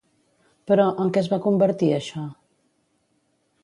Però, en què es va convertir això?